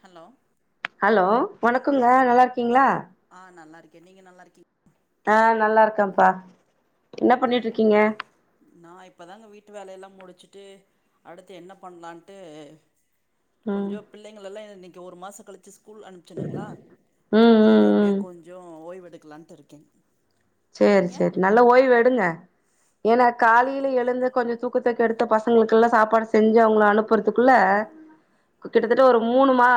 Hello hello வணக்குங்க நல்லாருக்கீங்ளா ஆ நல்லாருக்கே நீங்க நல்லாருக்கீங் ஆ நல்லாருக்கம்ப்பா என்ன பண்ணிட்ருக்கீங்க நா இப்பதாங்க வீட்டு வேலையெல்லா முடிச்சிட்டு அடுத்து என்னப் பண்லான்ட்டு ம் கொஞ்சோப் பிள்ளைங்கள எல்லா இ இன்னைக்கி ஒரு மாசோ கழிச்சிச் ஸ்கூல் அனுப்பச்சனுங்ளா ம் செரி ம் ம் அப்டியேக் கொஞ்சோ ஓய்வெடுக்லாண்ட்டுருக்கங் சேரி சேரி நல்லா ஓய்வெடுங்க எனாக் காலைல எழுந்து கொஞ்சோ தூக்கத்த கெடுத்து பசங்ளுக்குல்லா சாப்பாடு செஞ்சு அவுங்ள அனுப் பொருத்துக்குள்ள கிட்டத்தட்ட ஒரு மூனுமா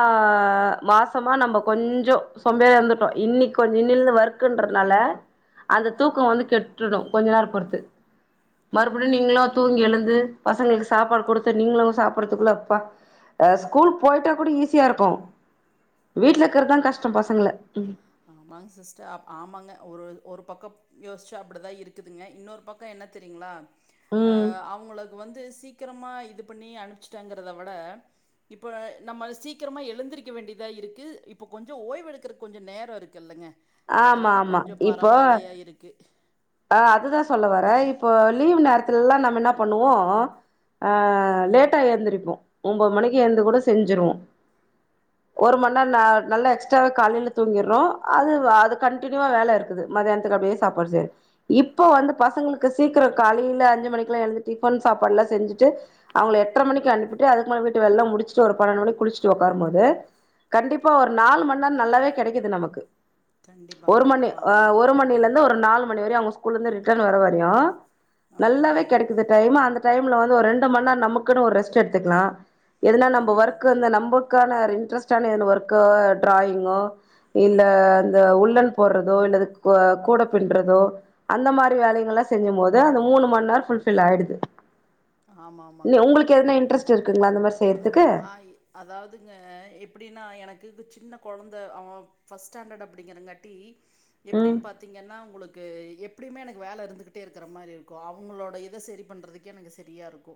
மாசமா நம்ப கொஞ்சோ சோம்பேறியா இருந்துட்டோ இன்னிக் கோன் இன்னிலிந்து ஒர்க்குன்றதுனால அந்த தூக்கோ வந்து கெட்டுடு கொஞ்ச நேரோ பொறுத்து மறுபுடியு நீங்ளு தூங்கி எழுந்து பசங்ளுக்கு சாப்பாடு குடுத்து நீங்ளு சாப்பிர்றதுக்குள்ள அப்பா ஆ ஸ்கூல் போயிட்டா கூட ஈஸியாருக்கு வீட்லக்கறதாங் கஷ்டம் பசங்ள ம் ஆமாங் சிஸ்டர் அப் ஆமாங்க ஒருது ஒரு பக்கப் யோச்சா அப்டிதா இருக்குதுங்க இன்னொருப் பக்க என்னத் தெரியுங்ளா அ ம் அவுங்களகு வந்து சீக் க்கிரமா இதுப் பண்ணி அனுப்ச்டேங்கிறத விட இப்ப நம்ம சீக்கிரமா எழுந்திருக்க வேண்டிதா இருக்கு இப்போ கொஞ்சோ ஓய்வெடுக்கறக் கொஞ்சோ நேர் ரோ இருக்கில்லங்க ஆமா அதனால ஆமா கொஞ்சோப் இப்போ பரவால்லையா இருக்கு ஆ அதுதா சொல்ல வரே இப்போ லீவ் நேரத்துலலா நம்ம இன்னாப் பண்ணுவோ ஆ லேட்டா ஏந்திரிப்போ ஒம்போது மணிக்கு ஏந்து கூட செஞ்சிருவோ ஒரு மண் நேரோ நா நல்லா எக்ஸ்ட்ராவா காலைல தூங்கிர்றோ அதுவ் அது கன்டினிவா வேல இருக்குது மதியான்த்துக்கு அப்டியே சாப்பாடு சேர் இப்போ வந்து பசங்ளுக்கு சீக்கிரோ காலைல அஞ்சு மணிக்குலா எழுந்து டிஃபன் சாப்பாட்லா செஞ்சுட்டு அவுங்ள எட்ர மணிக்கி அனுப்பிட்டு அதுக்கு மேல வீட்டு வேல்லா முடிச்ட்டு ஒரு பன்னெண்டு மணிக் குளிச்ட்டு ஒக்காரும்மோது கண்டிப்பா ஒரு நாலு மண்நேரோ நல்லாவே கெடைக்கிது நமக்கு கண்டிப்பாங்க, ஒரு மணி கண்டிப்பா. ஆ ஆமா. ஒரு ம், ம். மணிலந்து ஒரு நாலு மணி வரியு அவுங்க ஸ்கூல்லந்து ரிட்டன் வர வரியு ஆமா, நல்லாவே ஆமாங்க. கெடைக்கிது டைம் அந்தட் டைம்ல வந்து ஒரு ரெண்டு மண்நேரோ நமக்குன்னு ஒரு ரெஸ்ட் எத்துக்லா ஏதுனா நம்ம கண்டிப்பா. ஒர்க் வந் நம்ப க்கான ரின்ட்ரெஸ்ட்டான னு ஒர்க்கோ ட்ராயிங்கோ இல்ல அந்த உள்ளன் போட்றதோ இல்ல அத கூட பின்றதோ அந்த மாரி வேலைங்கள்ளா செஞ்சம்போது அந்த மூணு மண் நேரோ புல்ஃபில் ஆயிடுது ஆமா, நீ ஆமாங்க. உங்ளுக்கு எதனா எப் இன்ட்ரெஸ்ட் இருக்குங்களா இந்த மாரி செய்றதுக்கு அதாவுதுங்க எப்டினா எனக்கு இது சின்ன கொழந்த அவன் ஃபஸ்ட் ஸ்டாண்டர்ட் அப்டிங்கறங்காட்டி ம் எப்டின் பாத்தீங்கன்னா உங்களுக் கு எப்டியுமே எனக்கு வேல இருந்துகிட்டே இருக்கற மாரி இருக்கு அவங்களோட இத சரி பண்றதுக்கே எனக்கு சரியாருக்கு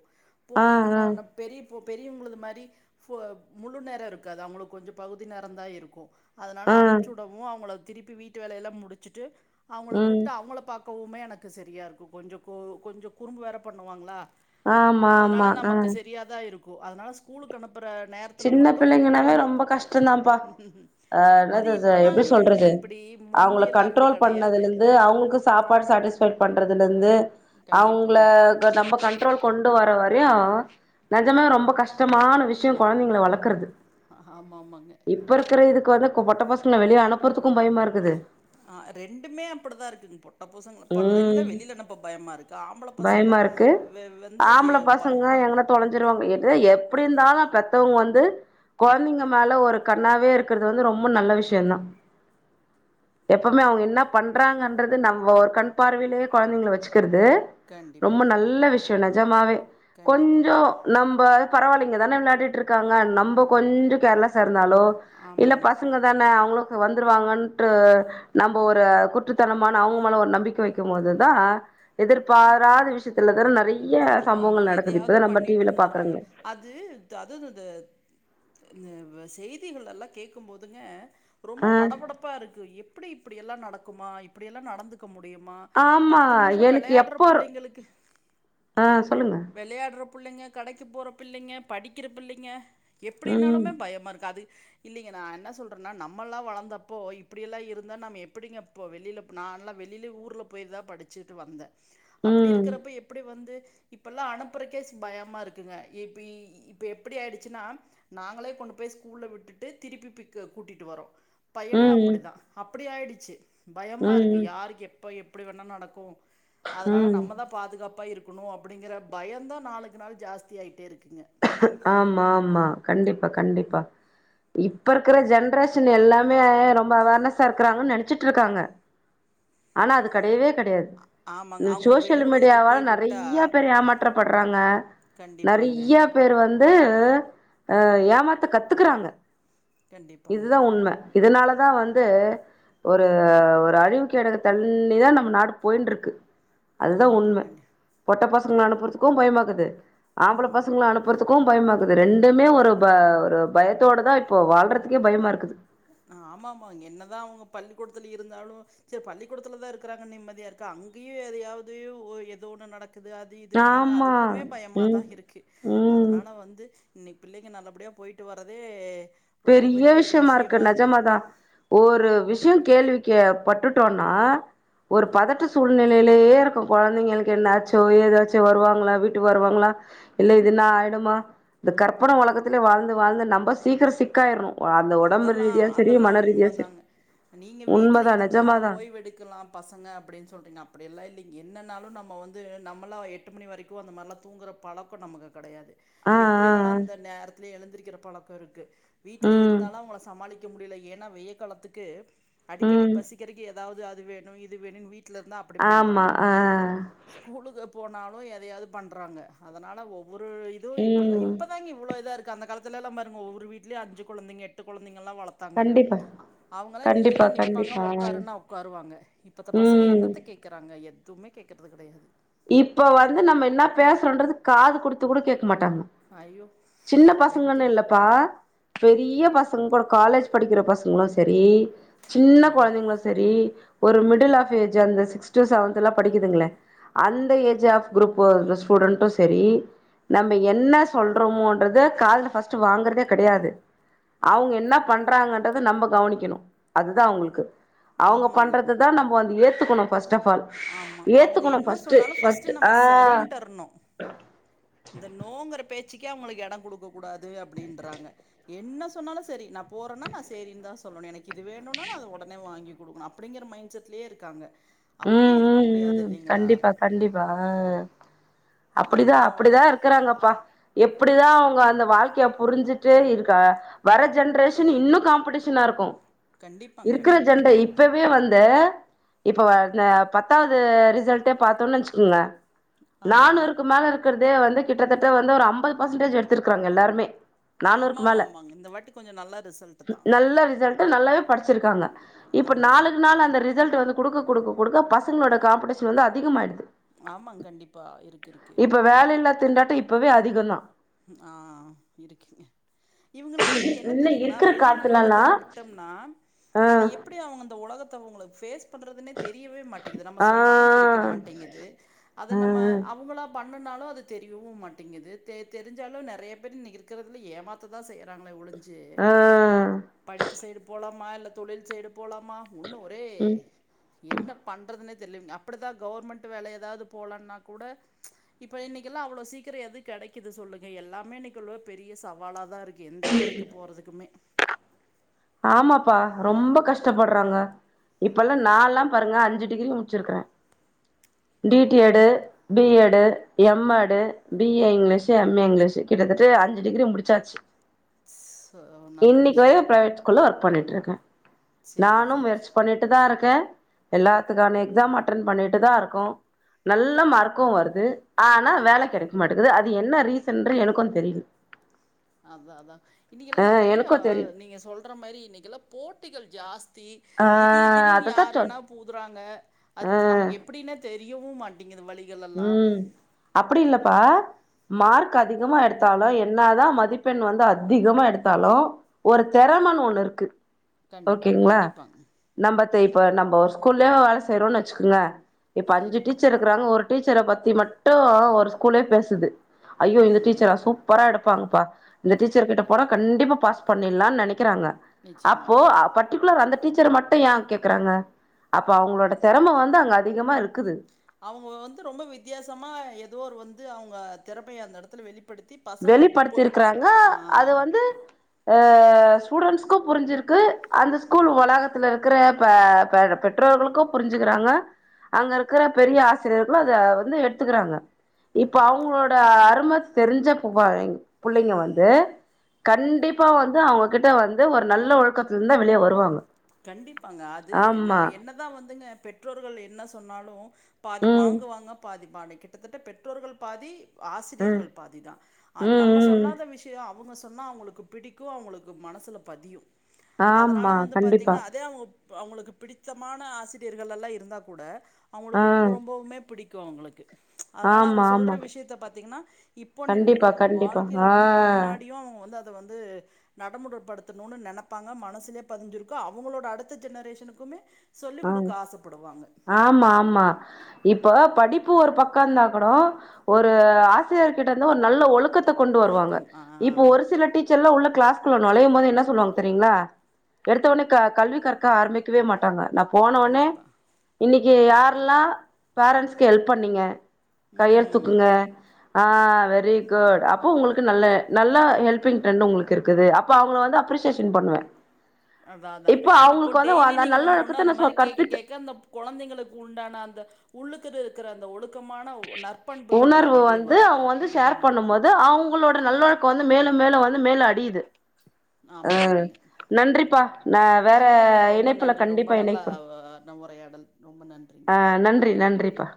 ஆ போனாங்கன்னா ஆ பெரிய போ பெரியவங்களது மாரி போ முழு நேரோ இருக்காது அவுங்களுக்கு கொஞ்சோ பகுதி நேரந்த இருக்கு அதனால ஆ அனுப்ச்சுடவு அவுங்கள திருப்பி வீட்டு வேலையெல்லா முடிச்சுட்டு அவங்கள ம் கூப்ட்டு அவங்கள பாக் பாக்கவுமே எனக்கு செரியாருக்கு கொஞ்சோ கூ கொஞ்சோ குறும்பு வேற பண்ணுவாங்ளா ஆமா அதனால ஆமா ஆ நமக்கு செரியாதா இருக்கு அதனால ஸ்கூலுக்கு அனுப் சின்ன பிள்ளைங்னாளே ரொம்ப கஷ்டோதான்பா ஆ அது என்னதுஅது எப்டி இப்பதாங்க சொல்றது இப்படி அவுங்கள முந்தியெல்லாம் அப்படி கண்ட்ரோல் கெடையாது. பண்ணதுலருந்து அவுங்க சாப்பாடு சாட்டிஸ்ஃபை பண்றதுலருந்து அவுங்கள கண்டிப்பாங்க. த நம்ம கண்ட்ரோல் கொண்டு வர்ர வரயு நெஜமா ரொம்ப கஷ்டமான விஷ்யோ கொழந்தைங்ள வளக்கறது ஆ ஆம ஆமாங்க இப்பருக்கற இதுக்கு வந்து க்கு பொட்ட பசங்கள வெளிய அனுப்பறதுக்கு பயமா இருக்குது ஆ ரெண்டுமே அப்புடிதா இருக்குது பொட்ட பசங்கள பிள்ளைங்ள ம் வெளில அனுப்ப பயமாக இருக்குது ஆம்பள பசங்ள பயமா இருக்கு வெ வெந்து ஏ பா பா தொலஞ்சிருவாங்க எது எப்புடி இருந்தாலு பெத்தவங்க வந்து கொழந்தைங்க மேல ஒரு கண்ணாவே இருக்கறது வந்து ரொம்ப நல்ல விஷ்யந்தா எப்பவுமே அவுங்க இன்ன பண்றாங்கன்றது நம்ம ஒரு கண் பார்வையிலே கொழந்தைங்கள வச்சுக்கறது கண்டிப்பா, ரொம்ப நல்ல கண்டிப்பா. விஷ்யோ நெஜமாவே கண்டிப்பாங்க. கொஞ்சோ நம்ப பரவால்ல இங்கதான விளாடிட்டு இருக்காங்க நம்போ கொஞ்சோ கேர்லெஸ்ஸா இருந்தாளோ இல்ல ஆமாங்க. இ பசங்கதான அவுங்களுக்கு வந்துருவாங்கண்ட்டு நம்ப ஒரு குருட்டுத்தனமான அவுங்க மேல ஒரு நம்பிக்க வெக்கும் போது தா எதிர்பாராத விஷ்யத்துலதா நம் நெறைய ஆமா சம்போவங்கள் நடக்குது எதையாவது இப்பதா நம்ம பண்ணிட்டு டிவில வந்துடுறாங்க பாக்கறங்ளே அது ததததது ன வ் செய்திகள்லெல்லா கேக்கும்போதுங்க ஆ ரொம்ப படபடப்பாருக்கு எப்டி இப்டி எல்லா நடக்குமா அப்புடி எல்லா நடந்துக்க முடியுமா ஆமா பத்து நிமிஷோ எனக்கு வெளயாடுற எப்போ பிள்ளைங்களுக்கு ஆ சொல்லுங்க வெளையாடுற புள்ளைங்க கடைக்கு போற பிள்ளைங்க படிக்கிற பிள்ளைங்க ம் எப்புடினாலுமே பயமா இருக்கு அது இல்லீங்க நா என்ன சொல்றேன்னா நம்மல்லா வளந்தப்போ இப்படியெல்லா இருந்தா நம்ம எப்டிங்க இப்போ வெளில நான் எல்லாம வெளில ஊர்ல போய்தா படிச்சிட்டு வந்த அப்புடி ம் இருக்கறப்ப எப்புடி வந்து இப்பெல்லா அனுப்பறக்கே ஸ் பயமா இருக்குங்க இப்ப இப்ப எப்டி ஆயிடுச்சுன்னா நாங்களே கொண்டு போய் ஸ்கூல்ல விட்டுட்டு திருப்பி பிக் கூட்டிட்டு வர்றோ பையன ம் அப்டிதா அப்புடி ஆயிடுச்சு பயமா இருக்கு ம் ம் யாருக்கு எப்போ எப் ப்டி வேண நடக்கு அதனால ம் நம்மதா பாதுகாப்பா இருக்கணு அப் டிங்கற பயந்தா நாளுக்கு நாள் ஜாஸ்தி ஆய்ட்டே இருக்குங்க ஆமா ஆமா கண்டிப்பா கண்டிப்பா இப்ப இருக்கற ஜென்ரேஷன் எல்லாமே ரொம்ப அவேர்னஸ்ஸா இருக்கறாங்கன்னு நெனச்சிட்ருக்காங்க ஆனா அது கெடையவே கெடையாது ஆமாங்க அவங்களுக்கு வெளி சோசியல் உலகத்துக்கு மீடியாவால போய் விட்டா நறைய பேர் ஏமாற்றப்பட்றாங்க கண்டிப்பாங்க பேர் வந்து ஏமாத்த கத்துக்கிறாங்க கண்டிப்பாங்க இதுதா உண்ம இதனாலதா வந்து ஒரு ஒரு அழிவுக்கடக தண்ணி தா நம்ம நாடு போயின்றுக்கு அதுதா கண்டிப்பா உண்ம கண்டி பொட்டை பசங்கிள அனுப்புற்துக்கு பயமாக்கிது ஆம்பள ம் பசங்கள அனுப் பற்துக்கு பயமாக்குது ரெண்டுமே ஒரு ப ஒரு பயத்தோட தா இப்போ வாழ்றதுக்கே பயமா இருக்குது ஆமாமா அங்க என்னதா அவுங்க பள்ளிக்கூடத்துல இருந்தாலு சரி பள்ளிக்கூடத்துல தா இருக்கிறாங்கன் நிம்மதியா இருக்கா அங்கயு எதையாவது ஒ எதோ ஒண்ணு நடக்குது அ து இதுங்கிறாங்க ஆமா அதுக்குமே பயமா தா ம் இருக்கு ம் அதனால வந்து இன்னிக் பிள்ளைங்க நல்லபடியா போயிட்டு வர்றதே பெரிய விஷயமா இருக்கு நெஜமா தா ஒரு விஷ்யோ கேள்விக்கே பட்டுட்டோனா ஒரு பதட்ட சூழ்நிலையிலேயே இருக்கு கொழந்தைங்களுக்கு என்னாச்சோ ஏதாச்சோ வருவாங்ளா வீட்டுக்கு வருவாங்ளா இல்ல இதுனா ஆயிடுமா இந்த கற்பனை உலகத்துலே வாழ்ந்து வாழ்ந்து நம்ப சீக்கிர சிக்காயிர்ணு அதெல்லா அதெல்லா உண்ம சரி தாங்க நீங்க வீட்ல உண்மதா இருந்தா நெஜமாதா ஓய்வெடுக்கலாம் பசங்க அப்டின் சொல்றீங்க அப்டியெல்லா இல்லைங்க என்னாலு நம்ம வந்து நம்மளா எட்டு மணி வரைக்கு அந்தமார்லா தூங்குற பழக் கோ நமக்கு கடையாது ஆ ஆ எப்டினாலு அந்த நேரத்திலே எழுந்திருக்கிற பழக்க இருக்கு ஆ வீட்ல இரு ம் நிக்க முடியல ஏன்னா வெயில் காலத்துக்கு அடிக்கடி ம் பசிக்கதுக்கு ஏதாவது அது வேணு இது வேணு வீட் வீட்லர்ந்தா அப்டி ஆமா பண்றாங்க ஆ ஸ்கூலுக்கு போனாலு எதையாவது பண்றாங்க அதனால ஒ ஒரு இது இப்பள ம் இப்பதாங்க இவ்ளோ இதா இருக்கு அந்த காலத்துலல பாருங்க ஒவ்வொரு வீட்லயு அஞ்சு குழந்தைங்க எட்டு குழந்தைங்கல்லா வளத்தாங்க கண்டிப்பா அவங்கள கண்டிப்பா நில்லுனா நிப்பாங்க கண்டிப்பா உக்காருனா உக்காருவாங்க இப்பந்த பசங்க ம் என்னத்த கேக் கேக்கிறாங்க எதுவுமே கேக்கறது கிடையாது இப்ப வந்து நம்ம இன்ன பேசுறோன்றது காது குடுத்து கூட கேக்க மாட்டாங்க ஐயோ சின்ன எத்து பசங்கனு இல்லப்பா பெரிய பசங் ங்கூட காலேஜ் படிக்கிற பசங்களு சரி சின்ன ம் குழந்தைங்களு ச சரி ஒரு மிடில் ஆப் ஏஜ் அந்த சிக்ஸ் டு செவன்த்துலா படிக்குதுங்ளே அந்த ஏஜ் ஆஃப் குரூப் ஸ்டூடெண்டு சரி நம்ப என்ன சொல்றோமோன்றது காதுல ஃபஸ்டு வாங்கற்தே கெடையாது அவுங்க இன்ன பண்றாங்கன்றத நம்ப கவனிக்கணு அதுதா அவுங்களுக்கு அவுங்க ஆமாங்க பண்றது தா நம்ப வந்து ஏத்துக்குணு ஃபர்ஸ்ட ஆஃப் ஆல் ஆமா அவுங்க ஏத்துக்கணு என்ன ஃபஸ்ட்டு சொன்னாலு ஃபஸ்ட்டு ஃபர்ஸ்ட்டு நம்ம ஆ சரின்டர்ணு இந்த நோங்குற பேச்சுக்கே அவுங்களுக்கு எடங் குடுக்க கூடாது அப்டின்றாங்க என்ன சொன்னாலு சரி நா போறன்னா நா சேரின் தா சொல்லணு எனக்கு இது வேணுனா நா அத உடனே வாங்கி குடுக்குணு அப்டிங்கிற மைண்ட் செட்லயே இருக்காங்க அப்படியே ம் இருக்க ம் முடியாது ம் இல்லைங்களா கண்டிப்பா கண்டிப்பா ஆ அப்டிதா பிள்ளைங்கள்லாம் அப்டிதா வளர்த்து இருக்கறாங்கப்பா எப்பிடிதா அவுங்க அந்த வாழ்க்கைய புரிஞ்சுட்டு இருக்கா வர ஜென்ரேஷன் இன்னு காம்படிஷனா இருக்கு கண்டிப்பாங்க இருக்கிற ஜென்ர கண்டிப்பாக இப்பவே வந்து இப்ப இந்த பத்தாவது ரிசல்டே பாத்தோனு வச்சுக்குங்க ஆமாங்க நானூறுக்கு மேல இருக்கிற்தே வந்து கிட்டத்தட்ட வந்து ஒரு ஐம்பது பர்சன்டேஜ் எடுத்திருக்கிறாங்க எல்லாருமே நானூறுக்கு ஆமாம் ஆமாம் மேல ஆமாங்க இந்த வாட்டி கொஞ்சம் நல்ல ரிசல்ட்டு தான் நல்ல ரிசல்ட்டு நல்லாவே படிச்சிருக்காங்க இப்ப ஆமாங்க நாளுக்கு நாள் அந்த ரிசல்ட்டு வந்து குடுக்க குடுக்க குடுக்க பசங்களோட காம்படிஷன் வந்து அதிகமாயிடுது. ஆமாங்க கண்டிப்பாக இருக்குது இருக்குது இப்ப வேல இல்லா திண்டாட்டோ இப்போவே அதிகோதா ஆஹ் இருக்கிங்க இவ்ங்குளுக்கு என்ன இல்ல தெரியுங்களா இருக்கிற வெளியில காத்துலல்லா உலகத்துல விட்டோம்னா. ஆ அத எப்புடி அவுங்க அந்த ஒலகத்த அவுங்ள ஃபேஸ் பண்றதுன்னே தெரியவே மாட்டேங்குது நம்ம ஆ சொன்னாலு புடிக்க மாட்டேங்குது அது ஆ நம்ம அவுங்களா. பண்ணனாலு அது தெரியவு மாட்டேங்குது. தெரிஞ்சாலு நிறைய பேர் இன்னைக்கி இருக்ரதுல ஏமாத்துதா செய்றாங்களே ஒழிஞ்சு. ஆ படிப்பு சைடு போலாமா இல்ல தொழில் சைடு போலாமா ஒன்னு ஒரே. என்ன பண்றதுனே தெரில அப்டி தா கவர்மெண்ட் வேல எதாவ்து போலான்னா கூட. இப்ப இன்னைக்கில்லா அவ்ளோ சீக்கிரோ எதும் கிடைக் க்குது சொல்லுங்க எல்லாமே இன்னைக்கு உள்ள பெரிய சவாலா தா இருக்கு எந்த துறைக்கு போறதுக்குமே. ஆமாப்பா ரொம்ப கஷ்டப்பட்றாங்க இப்பல்லா நால்லா பாருங்க அஞ்சு டிகிரி முடிச்சிருக்கிறே DT Ed. BEd MEd BA English MA English கிட்டத்தட்ட அஞ்சு டிகிரி முடிச்சாச்சு சோ நல்ல இன்னைக்கு வர விஷயங்க பிரைவேட் ஸ்கூல்ல ஒர்க் பண்ணிட்ருக்கே சேரி நானு சேரி முயற்ச்சி சேரி பண்ணிட்டு தா இருக்கே எல்லாத்துக்கான எக்ஸாமு அட்டன் பண்ணிட்டு தா இருக்கோ நல்ல மார்க்கு வருது ஆனா வேல கிடைக்க மாட்டேக்குது அது என்ன ரீசன்ட்ரு எனக்கு தெரிய் [inaudible] அதா அதா இன்னைக்குல்லா நெறையா தெரியு நீங்க சொல்ற மாரி இன்னைக்குல்லா போட்டிகள் ஜாஸ் ஆ திடீர் திடீர்னு அததா யார் சொல் வேணா பூதுறாங்க அது நமக்கு எப்டின்னே தெரியவு மாட் வழிகள்லா உம் அப்டி இல்லப்பா மார்க் அதிகமா எடுத்தாலு என்னாதா மதிப்பெண் வந்து அதிகமா எடுத்தாலு ஒரு திறமன்னு ஒண்ணுருக்கு கண்டிப்பா ஓகேங்களா கண்டிப்பாங்க நம்ப இப்ப நம்ம ஒரு ஸ்கூல்லே வேல செய்யறோன்னு வச்சுக்கோங்ளே இப்ப அஞ்சு சரி டீச்சர் இருக்கறாங்க ஒரு டீச்சர பத்தி மட்டு ஒரு ஸ்கூலே பேசுது. ஐயோ இந்த ம் டீச்சரா சூப்பரா எடுப்பாங்க பா இந்த டீச்சர் கிட்ட போனா கண்டிப்பா பாஸ் பண்ணிட்லா நெனைக் குறாங்க நிச்சயமா அப்போ. பர்டிக்குலர் அந்த டீச்சர மட்டு ஏ கேக்குறாங்க அப்ப அவங்களோட தெரம வந்து அங்க அதிகமா இருக்குது. அவுங்க வந்து ரொம்ப வித்தியாசமா எதோ ஒரு வந்து அவுங்க திறப்பைய அந்த எடத்துல வெளிப் வெளிப்படுத்திருக்கிறாங்க அது ஆ வந்து. அ ஸ்டூடெண்ட்ஸ்கு புரிஞ்சிருக்கு அந்த ஸ்கூல் வளாகத்துல இருக்கிற ப கர பெற்றோர்களுக்கு புரிஞ்சுக்கிறாங்க அங்க இருக்கிற பெரிய ஆசிரியர்களு அத வந்து எடுத்துக்கறாங்க. இப்ப அவங்களோட அரும தெரிஞ்ச ப புள்ளைங்க வந்து. கண்டிப்பா வந்து அவங்ககிட்ட வந்து ஒரு நல்ல ஒழுக்கத்துலருந்து வெளிய வருவாங்க. கண்டிப்பாங்க அது ஆமா நம்ம என்னதா வந்துங்க பெற்றோர்கள் என்ன சொன்னாலு பாதி ம் வாங்குவாங்க பாதி வா கிட்டத்தட்ட பெற்றோர்கள் பாதி ம் ஆசிரியர்கள் பாதிதா ஆ ம் நம்ம ம் சொல்லாத விஷயோ அவுங்க சொன்னா அவுங்களுக்கு பிடிக்கு அவுங்களுக்கு மனசுல பதியு அதனால ஆமா வந்து கண்டிப்பா அது அவுங் அவுங்களுக்கு பிடித்தமான ஆசிரியர்கள் எல்லா இருந்தா கூட ஆ அவுங்களுக்கு ரொம்ப ரொம்பவுமே பிடிக்கு அவுங்களுக்கு அதனால ஆமா அவுங்க ஆமா சொல்ற விஷயத்த பாத்தீங்ன்னா இப்பன்னு இல்லைங்க கண்டிப்பா அவுங்க கண்டிப்பா வாழ்க்கையில ஆ வந்து பின்னாடியு அவுங்க வந்து அது வந்து நடமுறைப்படுத்தணுன்னு நெனப்பாங்க மனசுலயே பதிஞ்சிருக் கு அவுங்களோட அடுத்த ஜெனரேஷனுக்குமே சொல்லிக் ஆ குடுக்க ஆசப்படுவாங்க ஆமா ஆமா இப்போ படிப்பு ஒரு பக்கோ ந்தாக்கூடோ ஒரு ஆசிரியர் கிட்ட இருந்து ஒரு நல்ல ஒழுக்கத் த கொண்டு வருவாங்க ஒழுக்கம் ஆ இப்ப ஒரு சில டீச்சர்ல உள்ள கிளாஸ்குள்ள நொழையும் போது என்ன சொல்லுவாங்க தெரியுங்களா எடுத்தவோனே க கல்வி கற்க ஆரம்பிக்கவே மாட்டாங்க போனோனே கண்டிப்பா இன்னைக்கு யாரெல்லா பேரன்ஸ்கு ஹெல்ப் பண்ணிங்க கைய ம் தூக்குங்க ஆ வெரி குட் அப்போ உங்களுக்கு நல்ல நல்ல ஹெல்பிங் ட்ரெண்டடு உங்களுக்கு இருக்குது ப்ப அவங்கள வந்து அப்ரிசியேஷன் பண்ணுவே அத அதா இப்ப இப்போ அவங்களுக்கு வந்து டெய்லி அந்த நீங்க நல்ல ஒண்ணு ஒண்ணு ஒழுக்கத்த அந்த நா மாரி கேட்க கற்பித் கேட்க அந்த கொழந்தைங்களுக்கு உண்டான அந்த உள்ளுக்குரு இருக்கிற அந்த ஒழுக்கமான ஒ நற் உணர்வு வந்து அவங்க வந்து ஷேர் பண்ணும் மோ து அவங்களோட நல்லொழுக்கோ வந்து மேலும் மேலு வந்து மேல அடியுது அ ஆமாமாங்க நன்றிப்பா நா வேற நன்றிங்க ரொம்ப இணைப்புல நன்றி ரொம்ப கண்டிப்பா நல்லா இணைக்குறோ நம்ம உரையாடல் ரொம்ப நன்றிங்க ஆ நன்றி நன்றிப்பா